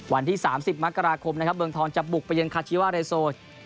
วันที่๓๐มกราคมนะครับเมืองทองจะบุกไปเย็นคาชิวาเรโซ